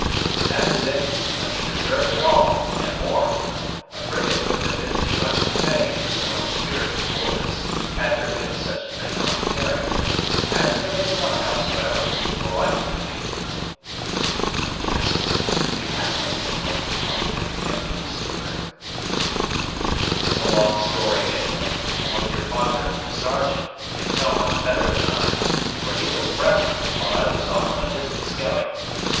"That is it; but he deserved it all, and more. A frigate wouldn't have been too much to pay for so much spirit and coolness, had there been such a thing on Ontario, as there is not, hows'ever, or likely to be." "But Jasper you have not yet told me how he got the command of the schooner." "It is a long story, Mabel, and one your father, the Sergeant, can tell much better than I; for he was present, while I was off on a distant scouting.